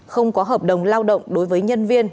không có hợp đồng lao động đối với nhân viên